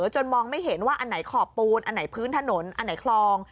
จนมองไม่เห็นว่าอันไหนขอบปูนอันไหนพื้นถนนอันไหนคลอง